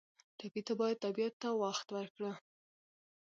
ټپي ته باید طبیعت ته وخت ورکړو.